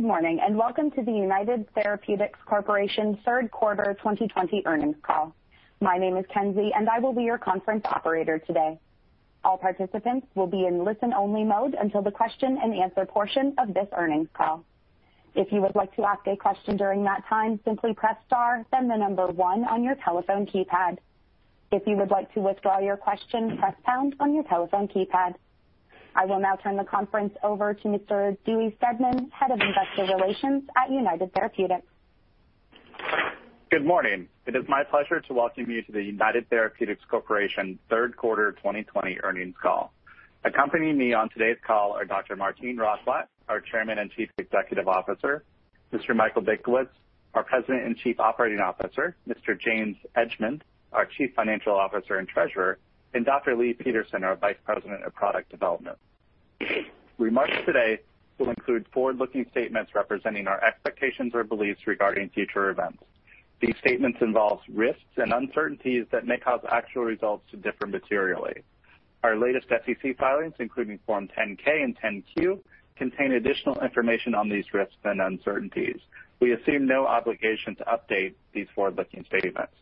Good morning, and welcome to the United Therapeutics Corporation third quarter 2020 earnings call. My name is Kenzie, and I will be your conference operator today. All participants will be in listen-only mode until the question-and-answer portion of this earnings call. If you would like to ask a question during that time, simply press star, then the number one on your telephone keypad. If you would like to withdraw your question, press pound on your telephone keypad. I will now turn the conference over to Mr. Dewey Steadman, Head of Investor Relations at United Therapeutics. Good morning. It is my pleasure to welcome you to the United Therapeutics Corporation third quarter 2020 earnings call. Accompanying me on today's call are Dr. Martine Rothblatt, our Chairman and Chief Executive Officer, Mr. Michael Benkowitz, our President and Chief Operating Officer, Mr. James Edgemond, our Chief Financial Officer and Treasurer, and Dr. Leigh Peterson, our Vice President of Product Development. Remarks today will include forward-looking statements representing our expectations or beliefs regarding future events. These statements involve risks and uncertainties that may cause actual results to differ materially. Our latest SEC filings, including Form 10-K and 10-Q, contain additional information on these risks and uncertainties. We assume no obligation to update these forward-looking statements.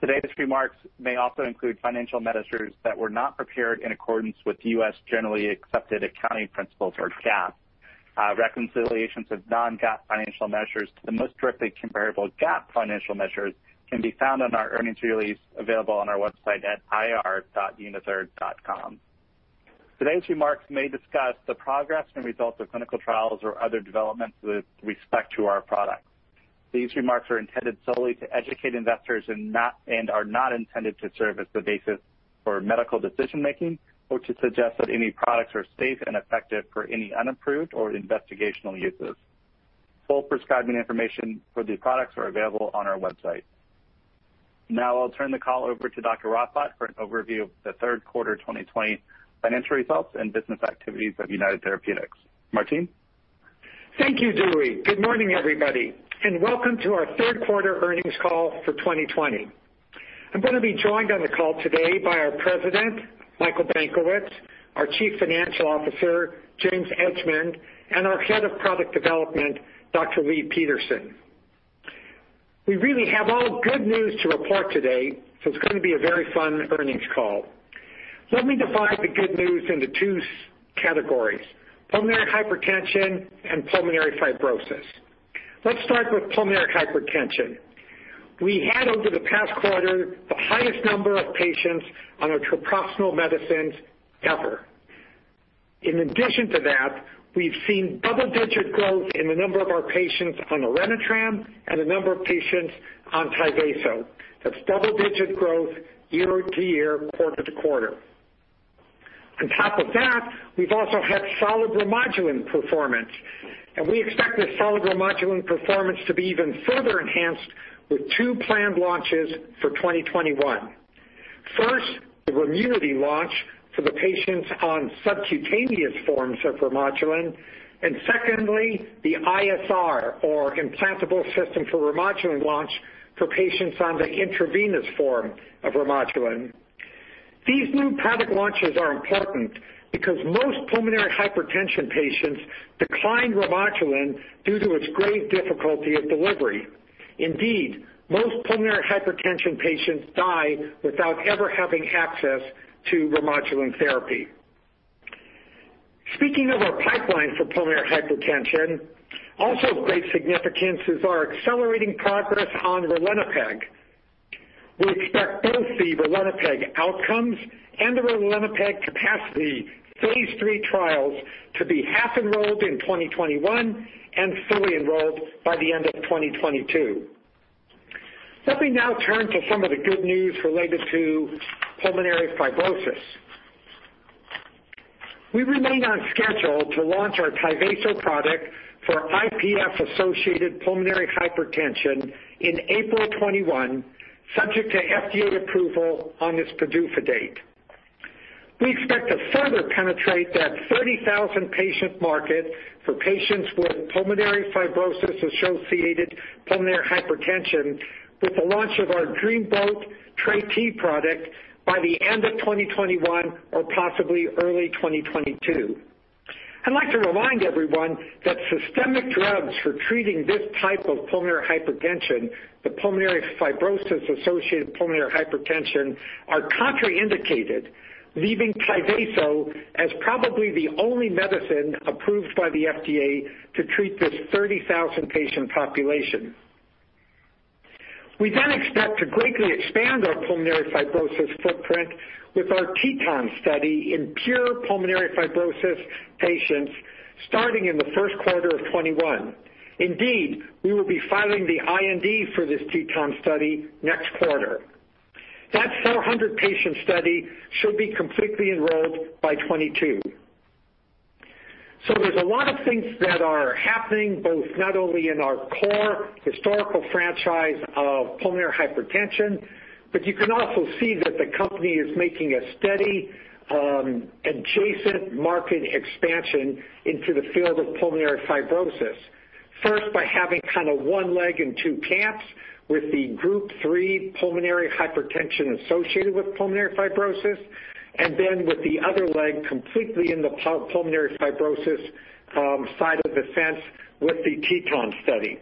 Today's remarks may also include financial measures that were not prepared in accordance with U.S. generally accepted accounting principles, or GAAP. Reconciliations of non-GAAP financial measures to the most directly comparable GAAP financial measures can be found on our earnings release, available on our website at ir.unither.com. Today's remarks may discuss the progress and results of clinical trials or other developments with respect to our products. These remarks are intended solely to educate investors and are not intended to serve as the basis for medical decision-making or to suggest that any products are safe and effective for any unapproved or investigational uses. Full prescribing information for these products are available on our website. Now I'll turn the call over to Dr. Rothblatt for an overview of the third quarter 2020 financial results and business activities of United Therapeutics. Martine? Thank you, Dewey. Good morning, everybody, and welcome to our third quarter earnings call for 2020. I'm going to be joined on the call today by our President, Michael Benkowitz, our Chief Financial Officer, James Edgemond, and our Head of Product Development, Dr. Leigh Peterson. We really have all good news to report today, so it's going to be a very fun earnings call. Let me divide the good news into two categories: pulmonary hypertension and pulmonary fibrosis. Let's start with pulmonary hypertension. We had, over the past quarter, the highest number of patients on our treprostinil medicines ever. In addition to that, we've seen double-digit growth in the number of our patients on Orenitram and the number of patients on Tyvaso. That's double-digit growth year-to-year, quarter-to-quarter. On top of that, we've also had solid Remodulin performance, and we expect this solid Remodulin performance to be even further enhanced with two planned launches for 2021. First, the Remunity launch for the patients on subcutaneous forms of Remodulin, and secondly, the ISR, or implantable system for Remodulin launch for patients on the intravenous form of Remodulin. These new product launches are important because most pulmonary hypertension patients decline Remodulin due to its great difficulty of delivery. Indeed, most pulmonary hypertension patients die without ever having access to Remodulin therapy. Speaking of our pipeline for pulmonary hypertension, also of great significance is our accelerating progress on ralinepag. We expect both the ralinepag outcomes and the ralinepag capacity phase III trials to be half enrolled in 2021 and fully enrolled by the end of 2022. Let me now turn to some of the good news related to pulmonary fibrosis. We remain on schedule to launch our Tyvaso product for IPF-associated pulmonary hypertension in April 2021, subject to FDA approval on its PDUFA date. We expect to further penetrate that 30,000 patient market for patients with pulmonary fibrosis-associated pulmonary hypertension with the launch of our Dreamboat TreT product by the end of 2021 or possibly early 2022. I'd like to remind everyone that systemic drugs for treating this type of pulmonary hypertension, the pulmonary fibrosis-associated pulmonary hypertension, are contraindicated, leaving Tyvaso as probably the only medicine approved by the FDA to treat this 30,000 patient population. We expect to greatly expand our pulmonary fibrosis footprint with our TETON study in pure pulmonary fibrosis patients starting in the first quarter of 2021. Indeed, we will be filing the IND for this TETON study next quarter. That 400-patient study should be completely enrolled by 2022. There's a lot of things that are happening, both not only in our core historical franchise of pulmonary hypertension, but you can also see that the company is making a steady adjacent market expansion into the field of pulmonary fibrosis. First, by having one leg and two camps with the group three pulmonary hypertension associated with pulmonary fibrosis, and then with the other leg completely in the pulmonary fibrosis side of the fence with the TETON study.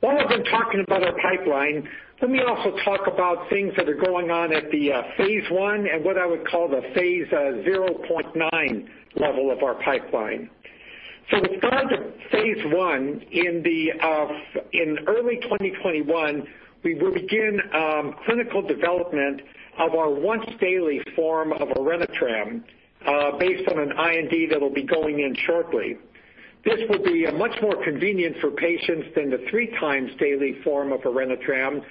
While I've been talking about our pipeline, let me also talk about things that are going on at the phase I and what I would call the phase 0.9 level of our pipeline. With regard to phase I, in early 2021, we will begin clinical development of our once-daily form of Orenitram, based on an IND that'll be going in shortly. This will be much more convenient for patients than the three times daily form of Orenitram,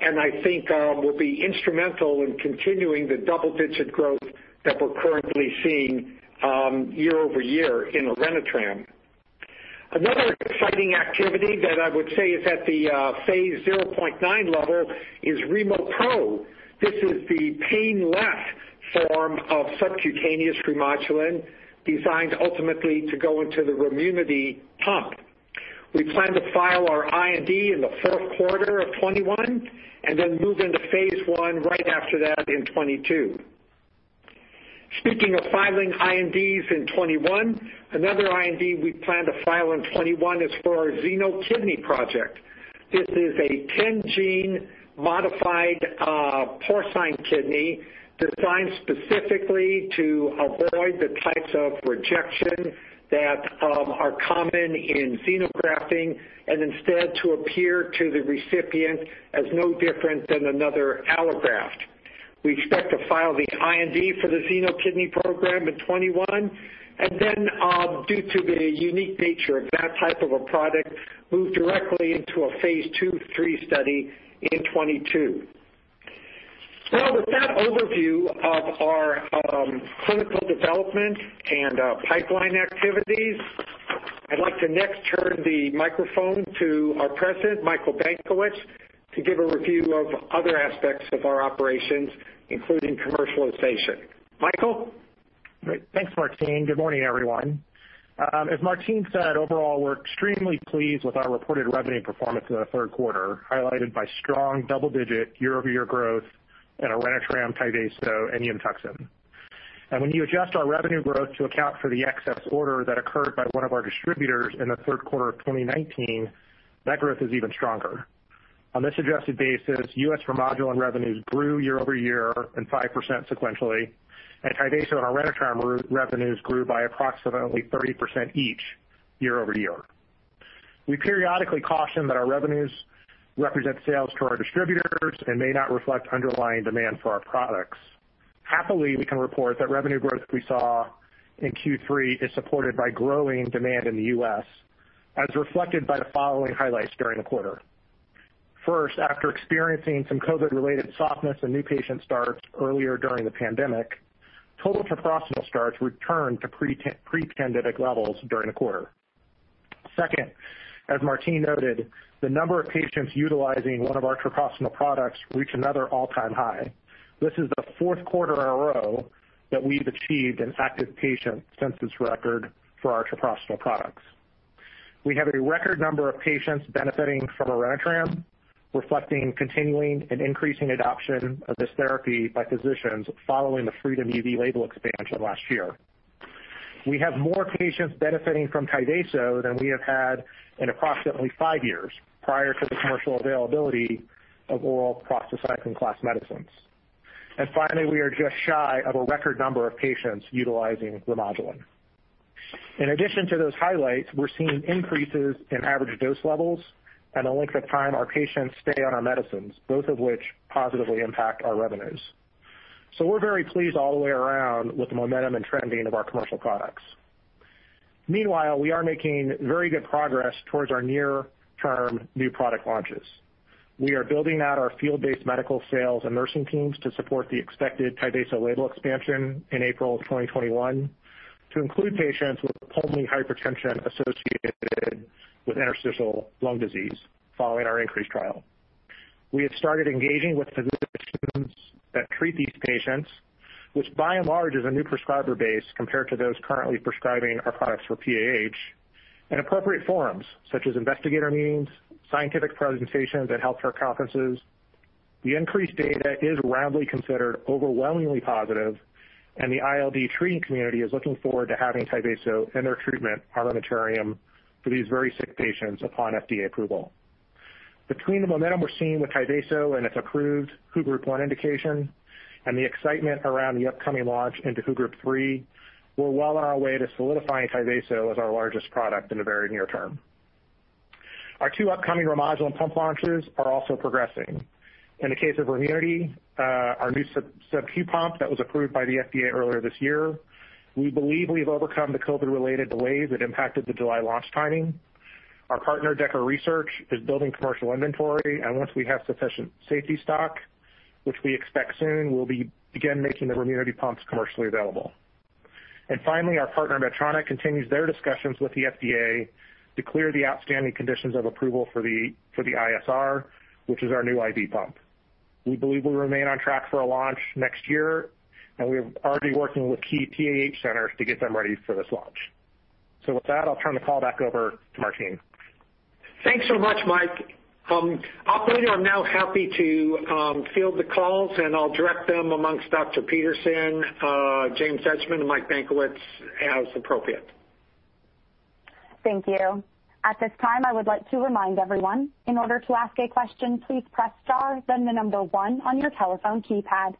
I think will be instrumental in continuing the double-digit growth that we're currently seeing year-over-year in Orenitram. Another exciting activity that I would say is at the phase 0.9 level is RemoPro. This is the painless form of subcutaneous Remodulin, designed ultimately to go into the Remunity pump. We plan to file our IND in the fourth quarter of 2021, then move into phase I right after that in 2022. Speaking of filing INDs in 2021, another IND we plan to file in 2021 is for our xenokidney project. This is a 10-gene modified porcine kidney designed specifically to avoid the types of rejection that are common in xenografting, instead to appear to the recipient as no different than another allograft. We expect to file the IND for the xenokidney program in 2021, and then due to the unique nature of that type of a product, move directly into a phase II-III study in 2022. With that overview of our clinical development and pipeline activities, I'd like to next turn the microphone to our President, Michael Benkowitz, to give a review of other aspects of our operations, including commercialization. Michael? Great. Thanks, Martine. Good morning, everyone. As Martine said, overall, we're extremely pleased with our reported revenue performance in the third quarter, highlighted by strong double-digit year-over-year growth in Orenitram, Tyvaso, and Unituxin. When you adjust our revenue growth to account for the excess order that occurred by one of our distributors in the third quarter of 2019, that growth is even stronger. On this adjusted basis, U.S. Remodulin revenues grew year-over-year and 5% sequentially, Tyvaso and Orenitram revenues grew by approximately 30% each year-over-year. We periodically caution that our revenues represent sales to our distributors and may not reflect underlying demand for our products. Happily, we can report that revenue growth we saw in Q3 is supported by growing demand in the U.S., as reflected by the following highlights during the quarter. First, after experiencing some COVID-related softness in new patient starts earlier during the pandemic, total treprostinil starts returned to pre-pandemic levels during the quarter. Second, as Martine noted, the number of patients utilizing one of our treprostinil products reached another all-time high. This is the fourth quarter in a row that we've achieved an active patient census record for our treprostinil products. We have a record number of patients benefiting from Orenitram, reflecting continuing and increasing adoption of this therapy by physicians following the FREEDOM-EV label expansion last year. We have more patients benefiting from Tyvaso than we have had in approximately five years, prior to the commercial availability of oral prostacyclin class medicines. Finally, we are just shy of a record number of patients utilizing Remodulin. In addition to those highlights, we're seeing increases in average dose levels and the length of time our patients stay on our medicines, both of which positively impact our revenues. We're very pleased all the way around with the momentum and trending of our commercial products. Meanwhile, we are making very good progress towards our near-term new product launches. We are building out our field-based medical sales and nursing teams to support the expected Tyvaso label expansion in April 2021, to include patients with pulmonary hypertension associated with interstitial lung disease following our INCREASE trial. We have started engaging with physician teams that treat these patients, which by and large is a new prescriber base compared to those currently prescribing our products for PAH, and appropriate forums such as investigator meetings, scientific presentations at healthcare conferences. The increased data is roundly considered overwhelmingly positive, and the ILD treating community is looking forward to having Tyvaso in their treatment armamentarium for these very sick patients upon FDA approval. Between the momentum we're seeing with Tyvaso and its approved WHO Group one indication and the excitement around the upcoming launch into WHO Group three, we're well on our way to solidifying Tyvaso as our largest product in the very near term. Our two upcoming Remodulin pump launches are also progressing. In the case of Remunity, our new subcu pump that was approved by the FDA earlier this year, we believe we've overcome the COVID-related delays that impacted the July launch timing. Our partner, DEKA Research, is building commercial inventory, and once we have sufficient safety stock, which we expect soon, we'll begin making the Remunity pumps commercially available. Finally, our partner Medtronic continues their discussions with the FDA to clear the outstanding conditions of approval for the ISR, which is our new IV pump. We believe we'll remain on track for a launch next year, and we're already working with key PAH centers to get them ready for this launch. With that, I'll turn the call back over to Martine. Thanks so much, Mike. Operator, I'm now happy to field the calls, and I'll direct them amongst Dr. Peterson, James Edgemond, and Mike Benkowitz as appropriate. Thank you. At this time, I would like to remind everyone, in order to ask a question, please press star, then the number one on your telephone keypad.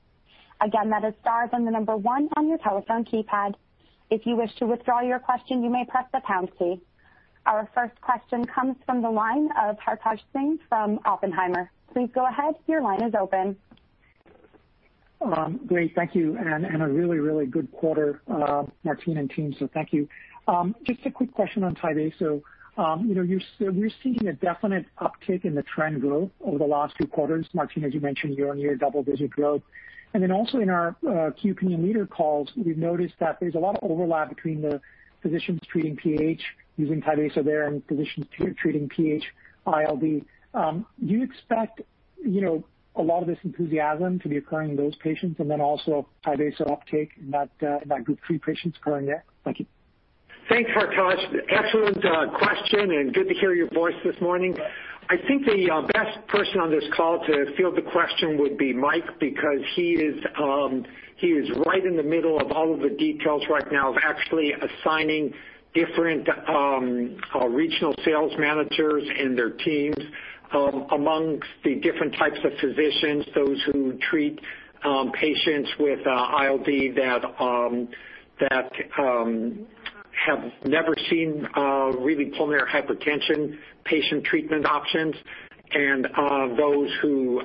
Again, that is star, then the number one on your telephone keypad. If you wish to withdraw your question, you may press the pound key. Our first question comes from the line of Hartaj Singh from Oppenheimer. Please go ahead. Your line is open. Great. Thank you. A really good quarter, Martine and team, thank you. Just a quick question on Tyvaso. We're seeing a definite uptick in the trend growth over the last two quarters. Martine, as you mentioned, year-on-year double-digit growth. Also in our KOL leader calls, we've noticed that there's a lot of overlap between the physicians treating PAH using Tyvaso there and physicians treating PH ILD. Do you expect a lot of this enthusiasm to be occurring in those patients and then also Tyvaso uptake in that Group three patients going there? Thank you. Thanks, Hartaj. Excellent question and good to hear your voice this morning. I think the best person on this call to field the question would be Mike because he is right in the middle of all of the details right now of actually assigning different regional sales managers and their teams amongst the different types of physicians, those who treat patients with ILD that have never seen really pulmonary hypertension patient treatment options and those who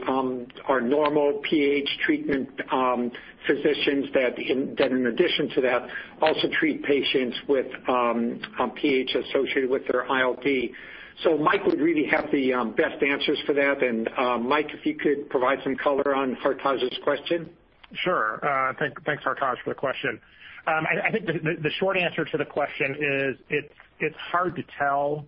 are normal PH treatment physicians that in addition to that, also treat patients with PAH associated with their ILD. Mike would really have the best answers for that. Mike, if you could provide some color on Hartaj's question. Sure. Thanks Hartaj for the question. I think the short answer to the question is it's hard to tell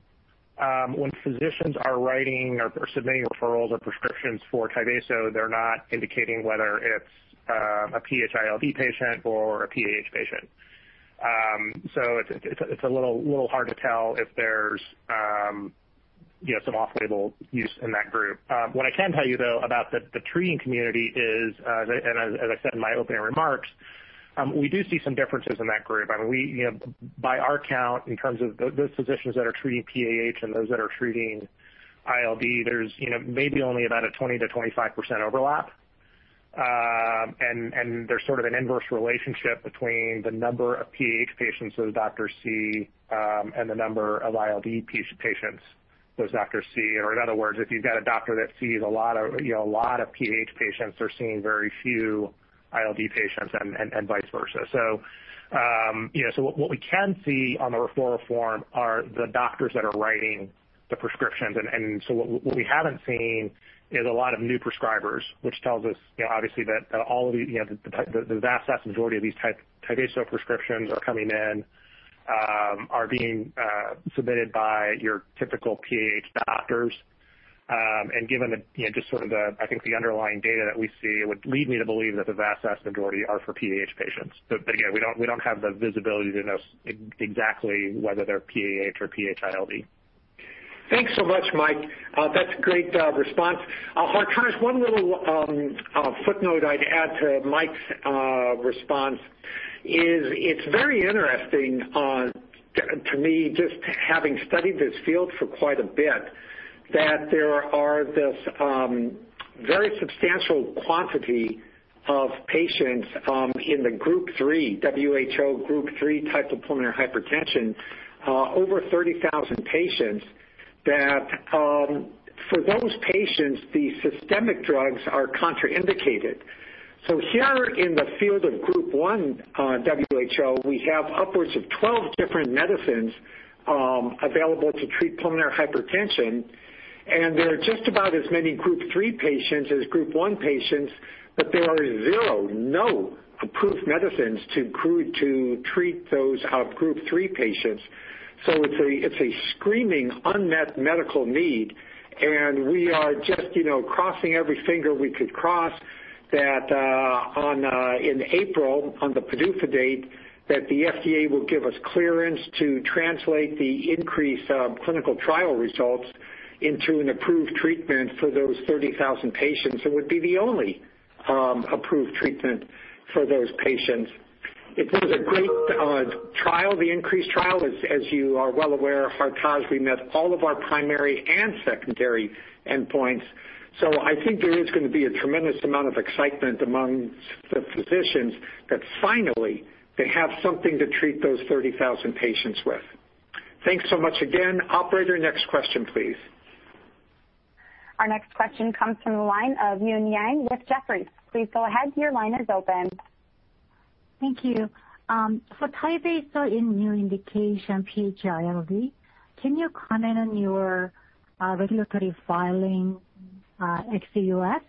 when physicians are writing or submitting referrals or prescriptions for Tyvaso, they're not indicating whether it's a PH-ILD patient or a PAH patient. It's a little hard to tell if there's some off-label use in that group. What I can tell you though about the treating community is, and as I said in my opening remarks, we do see some differences in that group. By our count, in terms of those physicians that are treating PAH and those that are treating ILD, there's maybe only about a 20%-25% overlap. There's sort of an inverse relationship between the number of PAH patients those doctors see and the number of ILD patients those doctors see. In other words, if you've got a doctor that sees a lot of PAH patients, they're seeing very few ILD patients and vice versa. What we can see on the referral form are the doctors that are writing the prescriptions. What we haven't seen is a lot of new prescribers, which tells us obviously that the vast majority of these Tyvaso prescriptions are being submitted by your typical PAH doctors. Given I think the underlying data that we see would lead me to believe that the vast majority are for PAH patients. Again, we don't have the visibility to know exactly whether they're PAH or PH ILD. Thanks so much, Mike. That's a great response. Hartaj, one little footnote I'd add to Mike's response is it's very interesting to me, just having studied this field for quite a bit, that there are this very substantial quantity of patients in the Group three, WHO Group three type of pulmonary hypertension, over 30,000 patients that for those patients the systemic drugs are contraindicated. Here in the field of WHO Group one, we have upwards of 12 different medicines available to treat pulmonary hypertension and there are just about as many Group three patients as Group one patients but there are zero, no approved medicines to treat those Group three patients. It's a screaming unmet medical need and we are just crossing every finger we could cross that in April on the PDUFA date that the FDA will give us clearance to translate the INCREASE clinical trial results into an approved treatment for those 30,000 patients. It would be the only approved treatment for those patients. It was a great trial, the INCREASE trial as you are well aware, Hartaj, we met all of our primary and secondary endpoints so I think there is going to be a tremendous amount of excitement among the physicians that finally they have something to treat those 30,000 patients with. Thanks so much again. Operator, next question please. Our next question comes from the line of Eun Yang with Jefferies. Please go ahead, your line is open. Thank you. For Tyvaso in new indication PH-ILD, can you comment on your regulatory filing at the U.S.?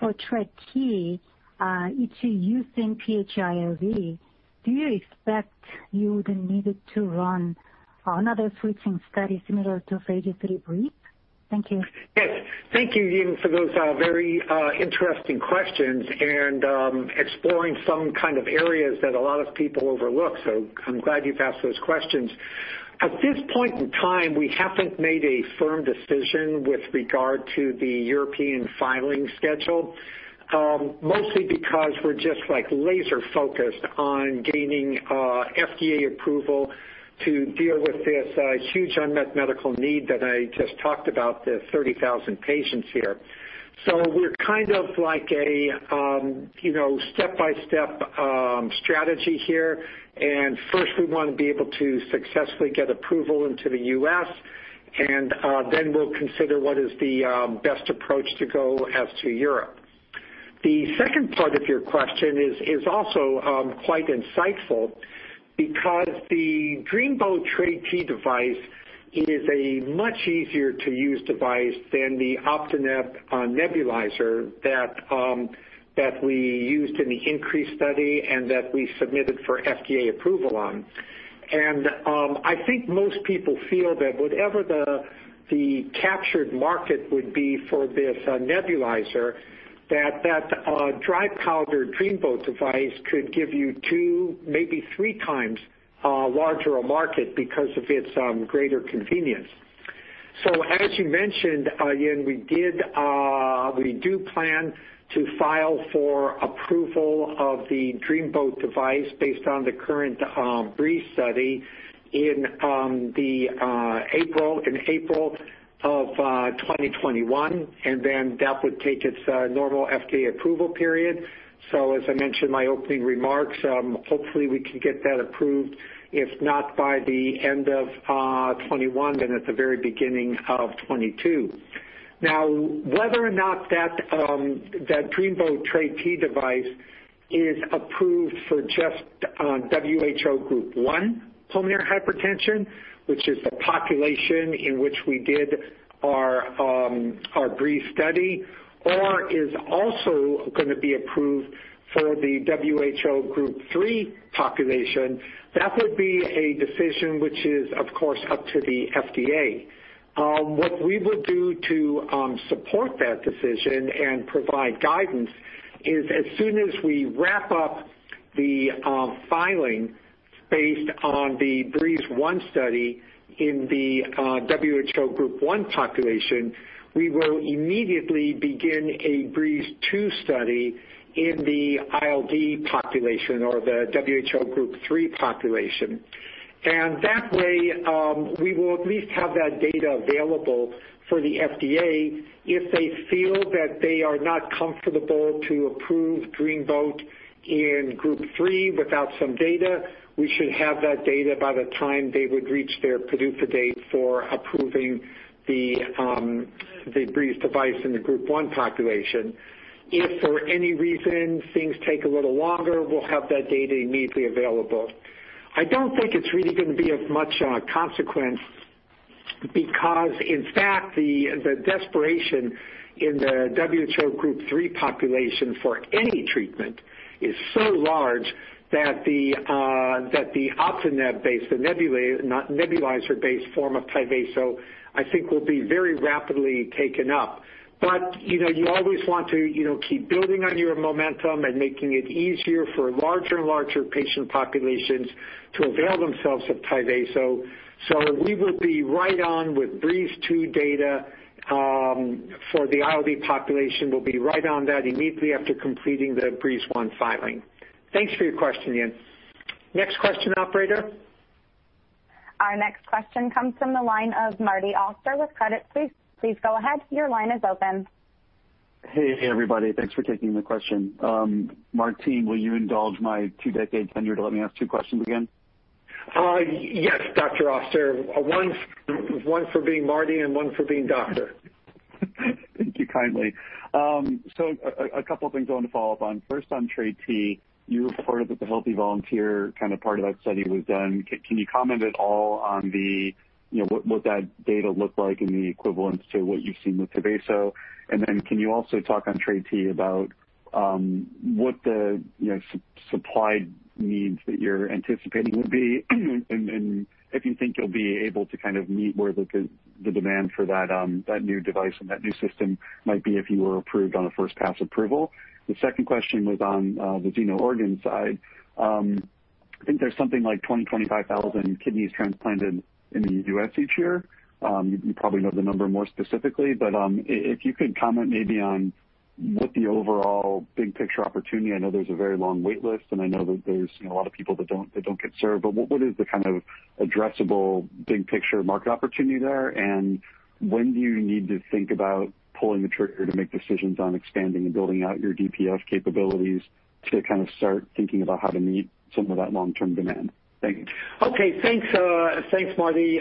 For TreT, each using PH-ILD, do you expect you would need to run another switching study similar to phase III BREEZE? Thank you. Yes. Thank you, Eun, for those very interesting questions and exploring some areas that a lot of people overlook. I'm glad you've asked those questions. At this point in time, we haven't made a firm decision with regard to the European filing schedule. Mostly because we're just laser-focused on gaining FDA approval to deal with this huge unmet medical need that I just talked about, the 30,000 patients here. We're kind of like a step-by-step strategy here. First, we want to be able to successfully get approval into the U.S., and then we'll consider what is the best approach to go as to Europe. The second part of your question is also quite insightful because the Dreamboat TreT device is a much easier-to-use device than the Optineb nebulizer that we used in the INCREASE study and that we submitted for FDA approval on. I think most people feel that whatever the captured market would be for this nebulizer, that dry powder Dreamboat device could give you two, maybe three times larger a market because of its greater convenience. As you mentioned, Eun, we do plan to file for approval of the Dreamboat device based on the current BREEZE study in April of 2021, that would take its normal FDA approval period. As I mentioned in my opening remarks, hopefully we can get that approved, if not by the end of 2021, at the very beginning of 2022. Now, whether or not that Dreamboat TreT device is approved for just WHO Group one pulmonary hypertension, which is the population in which we did our BREEZE study, or is also going to be approved for the WHO Group three population, that would be a decision which is, of course, up to the FDA. What we will do to support that decision and provide guidance is as soon as we wrap up the filing based on the BREEZE one study in the WHO Group one population, we will immediately begin a BREEZE two study in the ILD population or the WHO Group three population. That way, we will at least have that data available for the FDA if they feel that they are not comfortable to approve Dreamboat in Group three without some data. We should have that data by the time they would reach their PDUFA date for approving the BREEZE device in the Group one population. If for any reason things take a little longer, we'll have that data immediately available. I don't think it's really going to be of much consequence because, in fact, the desperation in the WHO Group three population for any treatment is so large that the Optineb-based, the nebulizer-based form of Tyvaso, I think, will be very rapidly taken up. You always want to keep building on your momentum and making it easier for larger and larger patient populations to avail themselves of Tyvaso. We will be right on with BREEZE two data for the ILD population. We'll be right on that immediately after completing the BREEZE one filing. Thanks for your question, Eun. Next question, operator. Our next question comes from the line of Marty Auster with Credit Suisse. Please go ahead. Your line is open. Hey, everybody. Thanks for taking the question. Martine, will you indulge my two-decade tenure to let me ask two questions again? Yes, Dr. Auster. One for being Marty and one for being doctor. Thank you kindly. A couple things I want to follow up on. First on TreT, you reported that the healthy volunteer part of that study was done. Can you comment at all on what that data looked like and the equivalence to what you've seen with Tyvaso? Can you also talk on TreT about what the supply needs that you're anticipating would be? If you think you'll be able to meet where the demand for that new device and that new system might be if you were approved on a first-pass approval. The second question was on the xeno-organ side. I think there's something like 20,000, 25,000 kidneys transplanted in the U.S. each year. You probably know the number more specifically, if you could comment maybe on what the overall big picture opportunity. I know there's a very long wait list, and I know that there's a lot of people that don't get served. What is the addressable big picture market opportunity there? And when do you need to think about pulling the trigger to make decisions on expanding and building out your DPF capabilities to start thinking about how to meet some of that long-term demand? Thank you. Okay, thanks. Thanks, Marty.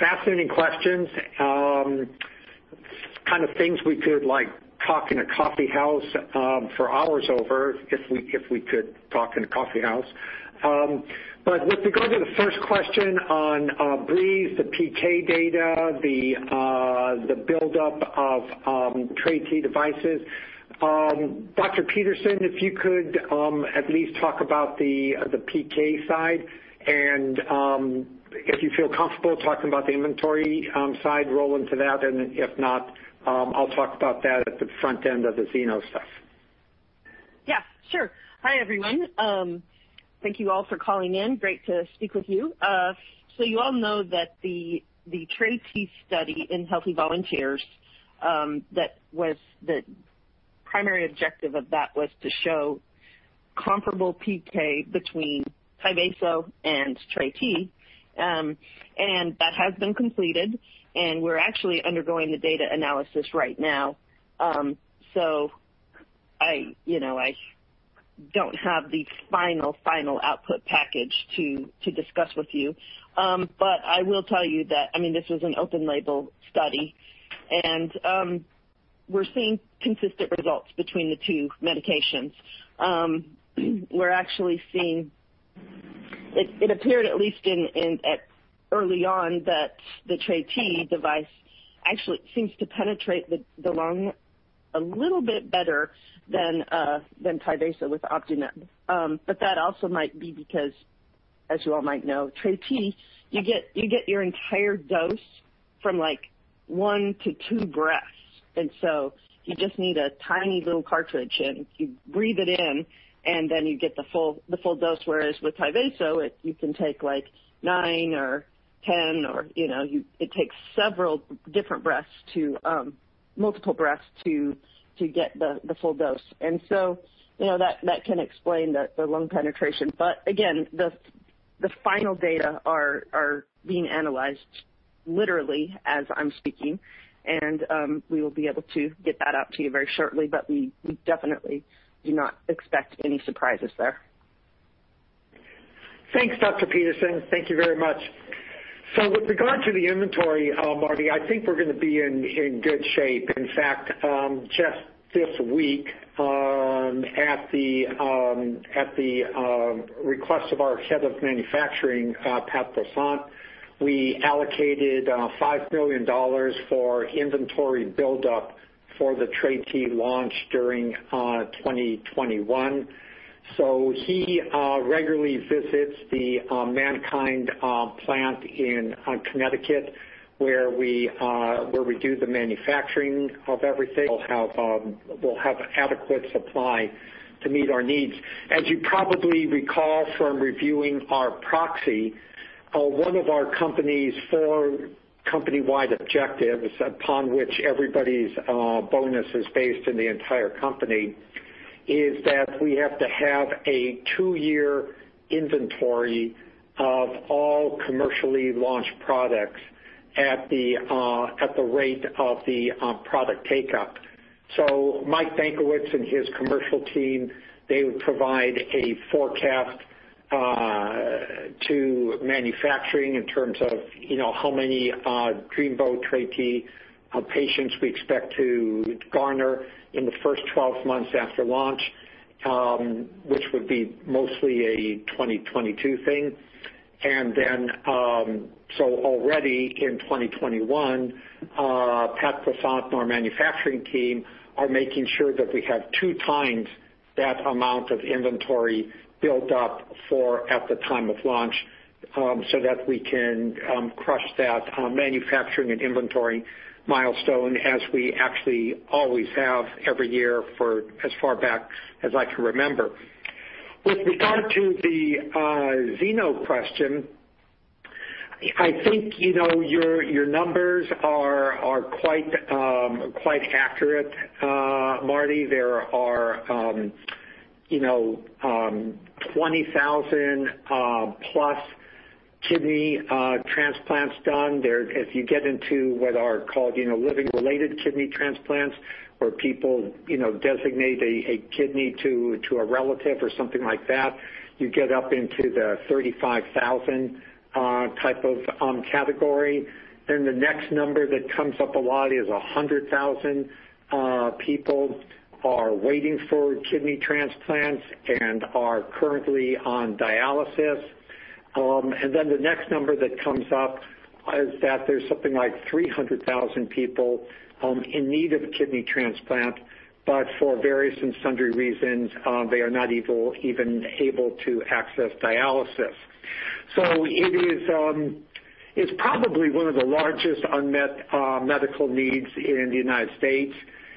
Fascinating questions. Kind of things we could talk in a coffee house for hours over if we could talk in a coffee house. With regard to the first question on BREEZE, the PK data, the buildup of TreT devices. Dr. Peterson, if you could at least talk about the PK side and if you feel comfortable talking about the inventory side, roll into that. If not, I'll talk about that at the front end of the xeno stuff. Yeah, sure. Hi, everyone. Thank you all for calling in. Great to speak with you. You all know that the TreT study in healthy volunteers, the primary objective of that was to show comparable PK between Tyvaso and TreT. That has been completed, and we're actually undergoing the data analysis right now. I don't have the final output package to discuss with you. I will tell you that, this was an open label study, and we're seeing consistent results between the two medications. It appeared at least early on that the TreT device actually seems to penetrate the lung a little bit better than Tyvaso with Optineb. That also might be because, as you all might know, TreT, you get your entire dose from one to two breaths. You just need a tiny little cartridge, you breathe it in, you get the full dose. Whereas with Tyvaso, you can take nine or 10 or it takes multiple breaths to get the full dose. That can explain the lung penetration. Again, the final data are being analyzed literally as I'm speaking. We will be able to get that out to you very shortly, but we definitely do not expect any surprises there. Thanks, Dr. Peterson. Thank you very much. With regard to the inventory, Marty, I think we're going to be in good shape. In fact, just this week, at the request of our head of manufacturing, Pat Poisson, we allocated $5 million for inventory buildup for the Tyvaso DPI launch during 2021. He regularly visits the MannKind plant in Connecticut where we do the manufacturing of everything. We'll have adequate supply to meet our needs. As you probably recall from reviewing our proxy, one of our company's four company-wide objectives, upon which everybody's bonus is based in the entire company, is that we have to have a two-year inventory of all commercially launched products at the rate of the product take-up. Mike Benkowitz and his commercial team, they provide a forecast to manufacturing in terms of how many Dreamboat TreT patients we expect to garner in the first 12 months after launch, which would be mostly a 2022 thing. Already in 2021, Patrick Poisson and our manufacturing team are making sure that we have two times that amount of inventory built up for at the time of launch, so that we can crush that manufacturing and inventory milestone as we actually always have every year for as far back as I can remember. With regard to the xeno question, I think your numbers are quite accurate. Marty, there are 20,000+ kidney transplants done there. If you get into what are called living-related kidney transplants, where people designate a kidney to a relative or something like that, you get up into the 35,000 type of category. The next number that comes up a lot is 100,000 people are waiting for kidney transplants and are currently on dialysis. The next number that comes up is that there's something like 300,000 people in need of kidney transplant, but for various and sundry reasons, they are not even able to access dialysis. It's probably one of the largest unmet medical needs in the U.S.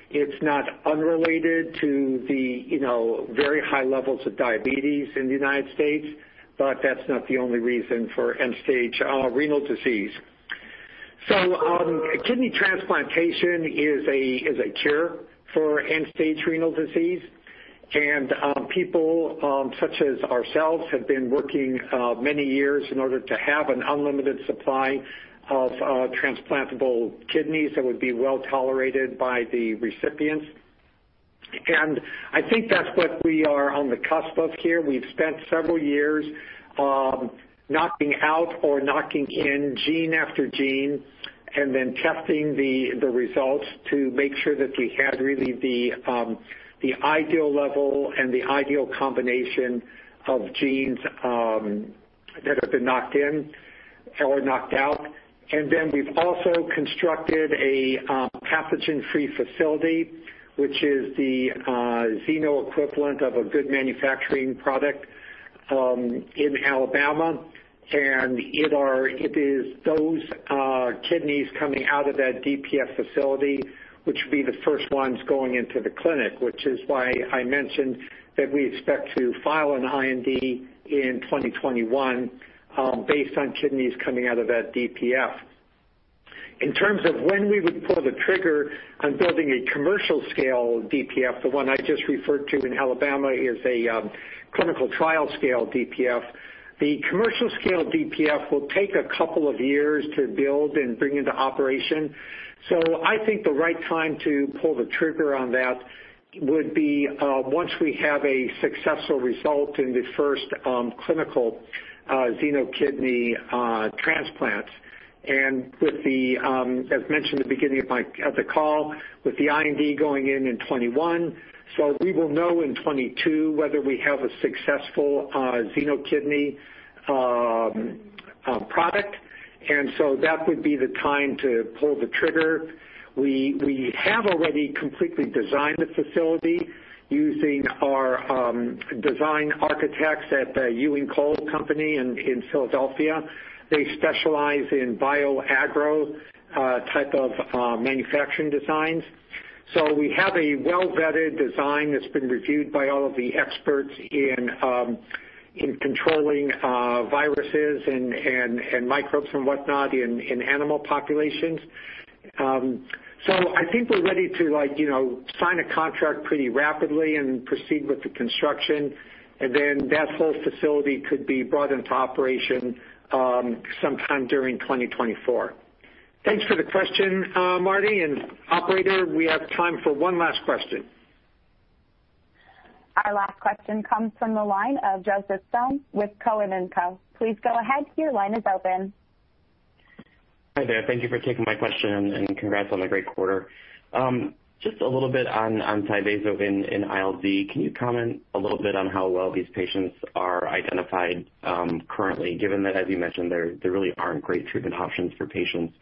It's not unrelated to the very high levels of diabetes in the U.S., but that's not the only reason for end-stage renal disease. Kidney transplantation is a cure for end-stage renal disease. People, such as ourselves, have been working many years in order to have an unlimited supply of transplantable kidneys that would be well-tolerated by the recipients. I think that's what we are on the cusp of here. We've spent several years knocking out or knocking in gene after gene, testing the results to make sure that we had really the ideal level and the ideal combination of genes that have been knocked in or knocked out. We've also constructed a pathogen-free facility, which is the xeno equivalent of a good manufacturing product in Alabama. It is those kidneys coming out of that DPF facility, which would be the first ones going into the clinic, which is why I mentioned that we expect to file an IND in 2021 based on kidneys coming out of that DPF. In terms of when we would pull the trigger on building a commercial scale DPF, the one I just referred to in Alabama is a clinical trial scale DPF. The commercial scale DPF will take a couple of years to build and bring into operation. I think the right time to pull the trigger on that would be once we have a successful result in the first clinical xenoKidney transplants. As mentioned at the beginning of the call, with the IND going in in 2021. We will know in 2022 whether we have a successful xenoKidney product, that would be the time to pull the trigger. We have already completely designed the facility using our design architects at the EwingCole Company in Philadelphia. They specialize in bio-agro type of manufacturing designs. We have a well-vetted design that's been reviewed by all of the experts in controlling viruses and microbes and whatnot in animal populations. I think we're ready to sign a contract pretty rapidly and proceed with the construction, and then that whole facility could be brought into operation sometime during 2024. Thanks for the question, Marty. Operator, we have time for one last question. Our last question comes from the line of Joseph Thome with Cowen and Co. Please go ahead, your line is open. Hi there. Thank you for taking my question and congrats on the great quarter. Just a little bit on Tyvaso in ILD. Can you comment a little bit on how well these patients are identified currently, given that, as you mentioned, there really aren't great treatment options for patients?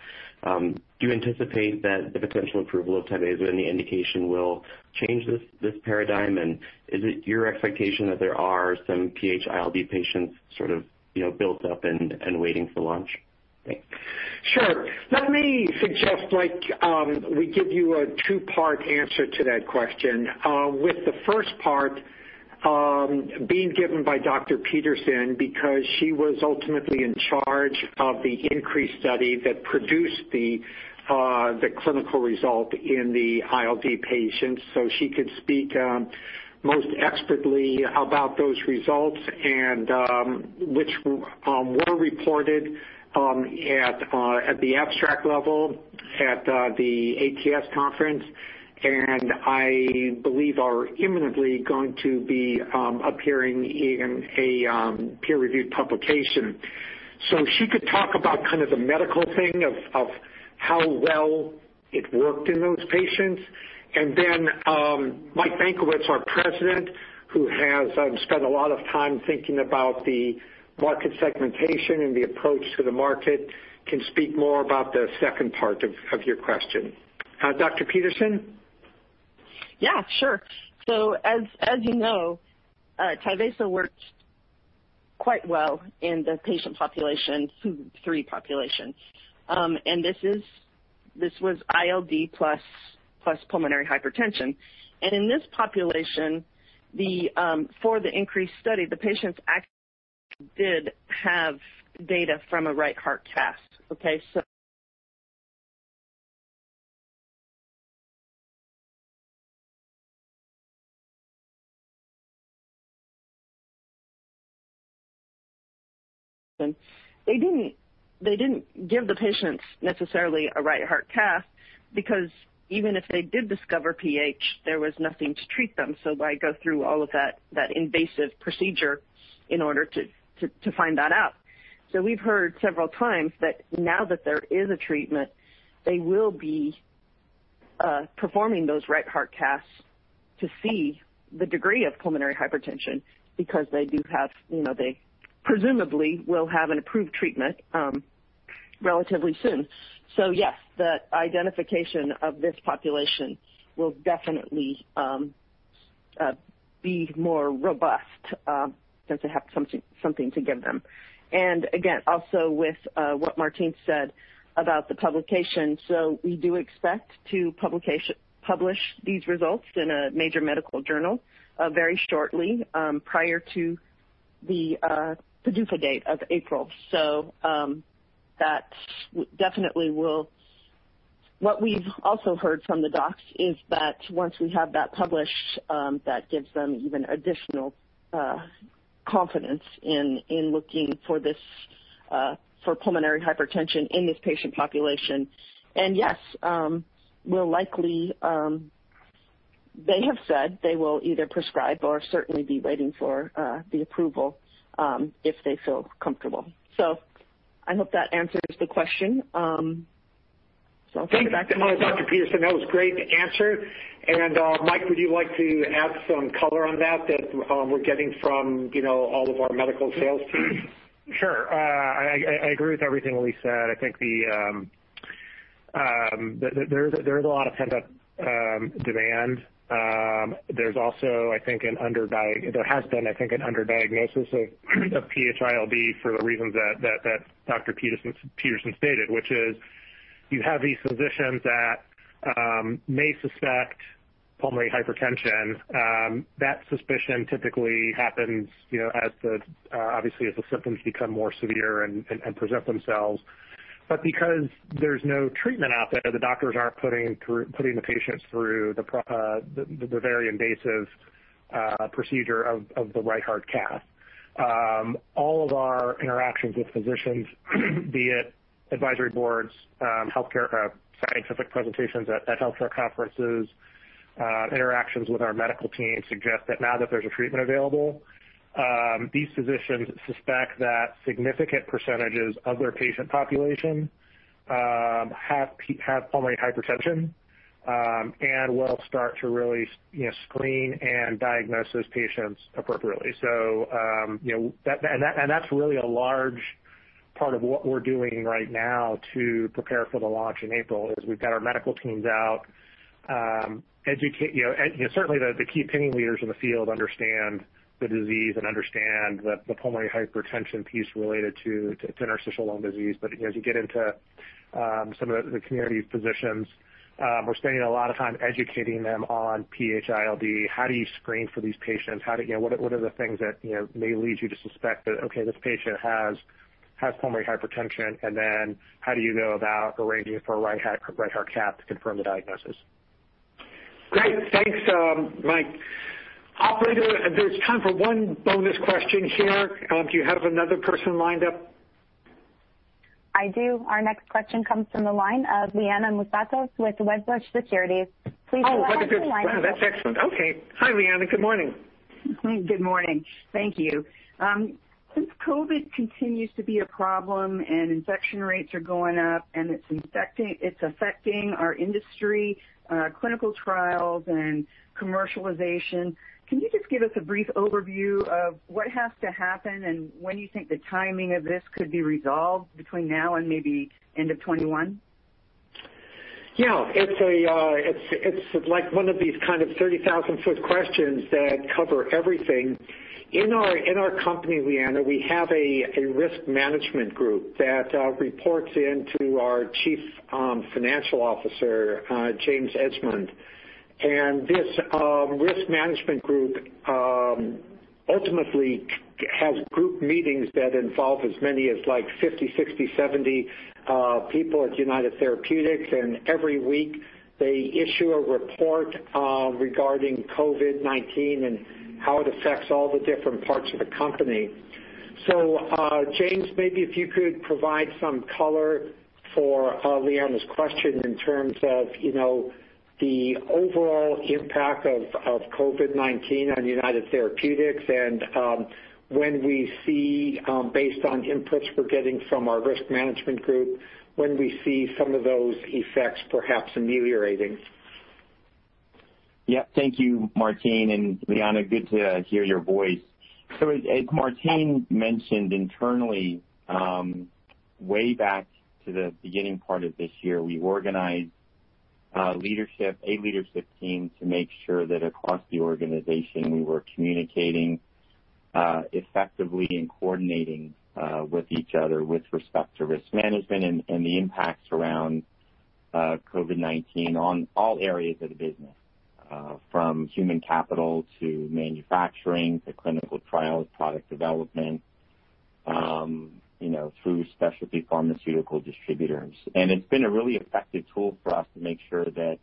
Do you anticipate that the potential approval of Tyvaso in the indication will change this paradigm? Is it your expectation that there are some PH ILD patients sort of built up and waiting for launch? Sure. Let me suggest we give you a two-part answer to that question. With the first part being given by Dr. Peterson, because she was ultimately in charge of the INCREASE study that produced the clinical result in the ILD patients. She could speak most expertly about those results, and which were reported at the abstract level at the ATS conference, and I believe are imminently going to be appearing in a peer-reviewed publication. She could talk about kind of the medical thing of how well it worked in those patients. Then Mike Benkowitz, our President, who has spent a lot of time thinking about the market segmentation and the approach to the market, can speak more about the second part of your question. Dr. Peterson? Yeah, sure. As you know, Tyvaso works quite well in the WHO Group three population. This was ILD plus pulmonary hypertension. In this population, for the INCREASE study, the patients actually did have data from a right heart cath. They didn't give the patients necessarily a right heart cath because even if they did discover PH, there was nothing to treat them. Why go through all of that invasive procedure in order to find that out? We've heard several times that now that there is a treatment, they will be performing those right heart caths to see the degree of pulmonary hypertension, because they presumably will have an approved treatment relatively soon. Yes, the identification of this population will definitely be more robust since they have something to give them. Again, also with what Martine said about the publication, we do expect to publish these results in a major medical journal very shortly prior to the PDUFA date of April. What we've also heard from the docs is that once we have that published, that gives them even additional confidence in looking for pulmonary hypertension in this patient population. They have said they will either prescribe or certainly be waiting for the approval if they feel comfortable. I hope that answers the question. I'll turn it back to Martine. Thanks, Dr. Peterson. That was a great answer. Mike, would you like to add some color on that we're getting from all of our medical sales teams? Sure. I agree with everything Leigh said. I think there is a lot of pent-up demand. There has been, I think, an under-diagnosis of PH-ILD for the reasons that Dr. Peterson stated, which is you have these physicians that may suspect pulmonary hypertension. That suspicion typically happens as the symptoms become more severe and present themselves. Because there's no treatment out there, the doctors aren't putting the patients through the very invasive procedure of the right heart cath. All of our interactions with physicians, be it advisory boards, scientific presentations at healthcare conferences, interactions with our medical team suggest that now that there's a treatment available, these physicians suspect that significant percentages of their patient population have pulmonary hypertension, and will start to really screen and diagnose those patients appropriately. That's really a large part of what we're doing right now to prepare for the launch in April, is we've got our medical teams out. Certainly, the key opinion leaders in the field understand the disease and understand the pulmonary hypertension piece related to interstitial lung disease. As you get into some of the community physicians, we're spending a lot of time educating them on PH-ILD. How do you screen for these patients? What are the things that may lead you to suspect that, okay, this patient has pulmonary hypertension, and then how do you go about arranging for a right heart cath to confirm the diagnosis? Great. Thanks, Mike. Operator, there's time for one bonus question here. Do you have another person lined up? I do. Our next question comes from the line of Liana Moussatos with Wedbush Securities. Please go ahead with your line. Wow, that's excellent. Okay. Hi, Liana. Good morning. Good morning. Thank you. Since COVID continues to be a problem and infection rates are going up and it's affecting our industry, clinical trials, and commercialization, can you just give us a brief overview of what has to happen and when you think the timing of this could be resolved between now and maybe end of 2021? Yeah. It's like one of these kind of 30,000-foot questions that cover everything. In our company, Liana, we have a risk management group that reports into our Chief Financial Officer, James Edgemond. This risk management group ultimately has group meetings that involve as many as 50, 60, 70 people at United Therapeutics. Every week, they issue a report regarding COVID-19 and how it affects all the different parts of the company. James, maybe if you could provide some color for Liana's question in terms of the overall impact of COVID-19 on United Therapeutics and when we see, based on inputs we're getting from our risk management group, when we see some of those effects perhaps ameliorating. Yeah. Thank you, Martine, and Liana, good to hear your voice. As Martine mentioned internally, way back to the beginning part of this year, we organized a leadership team to make sure that across the organization, we were communicating effectively and coordinating with each other with respect to risk management and the impacts around COVID-19 on all areas of the business, from human capital to manufacturing to clinical trials, product development, through specialty pharmaceutical distributors. It's been a really effective tool for us to make sure that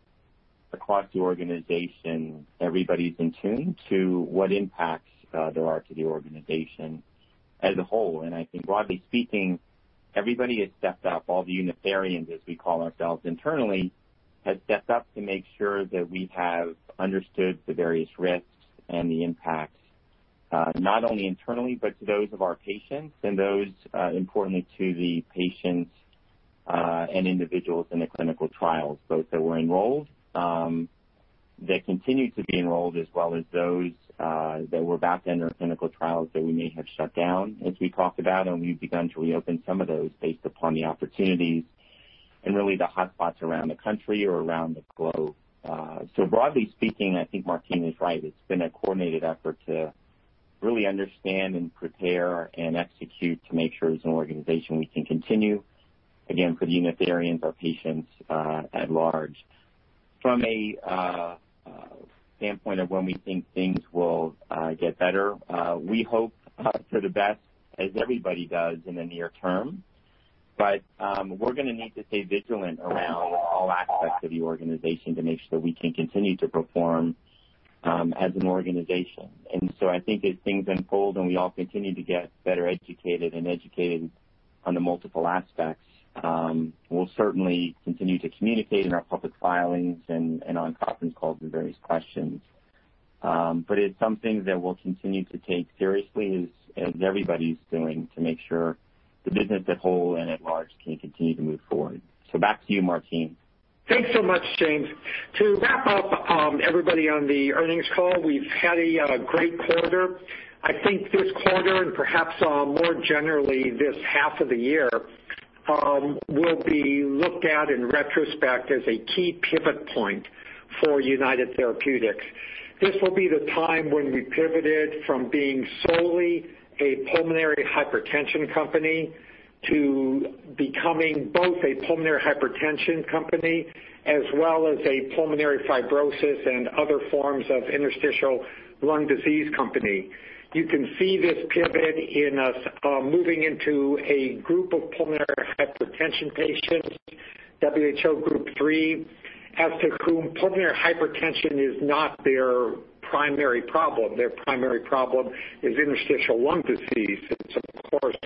across the organization, everybody's in tune to what impacts there are to the organization as a whole. I think broadly speaking, everybody has stepped up. All the Unitherians, as we call ourselves internally, have stepped up to make sure that we have understood the various risks and the impacts, not only internally, but to those of our patients and those, importantly, to the patients and individuals in the clinical trials, both that were enrolled, that continue to be enrolled, as well as those that were back then or clinical trials that we may have shut down as we talked about, and we've begun to reopen some of those based upon the opportunities and really the hotspots around the country or around the globe. Broadly speaking, I think Martine is right. It's been a coordinated effort to really understand and prepare and execute to make sure as an organization, we can continue, again, for the Unitherians, our patients at large. From a standpoint of when we think things will get better, we hope for the best as everybody does in the near term. We're going to need to stay vigilant around all aspects of the organization to make sure that we can continue to perform as an organization. I think as things unfold and we all continue to get better educated on the multiple aspects, we'll certainly continue to communicate in our public filings and on conference calls with various questions. It's something that we'll continue to take seriously as everybody's doing to make sure the business at whole and at large can continue to move forward. Back to you, Martine. Thanks so much, James. To wrap up everybody on the earnings call, we've had a great quarter. I think this quarter and perhaps more generally this half of the year, will be looked at in retrospect as a key pivot point for United Therapeutics. This will be the time when we pivoted from being solely a pulmonary hypertension company to becoming both a pulmonary hypertension company as well as a pulmonary fibrosis and other forms of interstitial lung disease company. You can see this pivot in us moving into a group of pulmonary hypertension patients, WHO Group three, as to whom pulmonary hypertension is not their primary problem. Their primary problem is interstitial lung disease. It's, of course,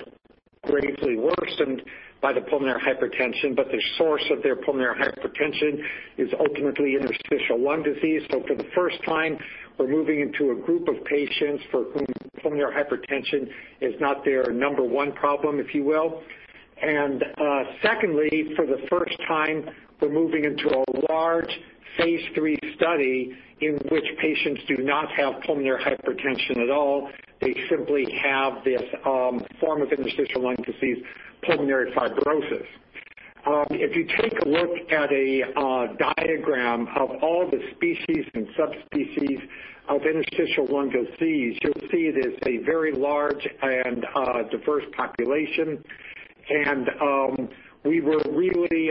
greatly worsened by the pulmonary hypertension, but the source of their pulmonary hypertension is ultimately interstitial lung disease. For the first time, we're moving into a group of patients for whom pulmonary hypertension is not their number one problem, if you will. Secondly, for the first time, we're moving into a large phase III study in which patients do not have pulmonary hypertension at all. They simply have this form of interstitial lung disease, pulmonary fibrosis. If you take a look at a diagram of all the species and subspecies of interstitial lung disease, you'll see it is a very large and diverse population. We were really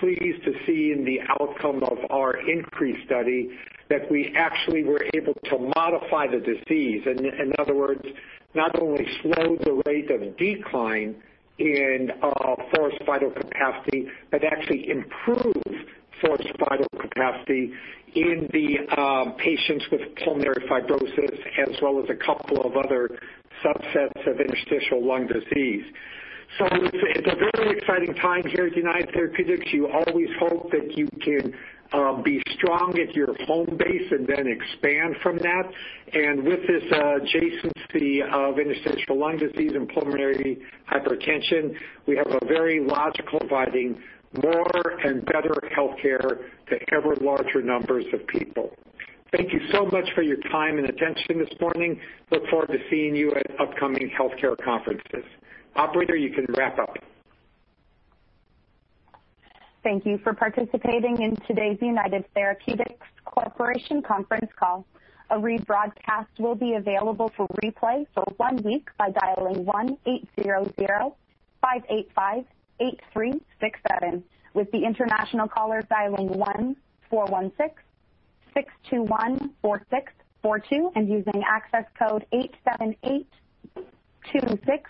pleased to see in the outcome of our INCREASE study that we actually were able to modify the disease. In other words, not only slow the rate of decline in forced vital capacity, but actually improve forced vital capacity in the patients with pulmonary fibrosis as well as a couple of other subsets of interstitial lung disease. It's a very exciting time here at United Therapeutics. You always hope that you can be strong at your home base and then expand from that. With this adjacency of interstitial lung disease and pulmonary hypertension, we have a very logical providing more and better healthcare to ever larger numbers of people. Thank you so much for your time and attention this morning. Look forward to seeing you at upcoming healthcare conferences. Operator, you can wrap up. Thank you for participating in today's United Therapeutics Corporation conference call. A rebroadcast will be available for replay for one week by dialing 1-800-585-8367, with the international callers dialing 1-416-621-4642 and using access code 8782637.